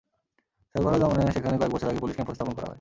সর্বহারা দমনে সেখানে কয়েক বছর আগে পুলিশ ক্যাম্পও স্থাপন করা হয়।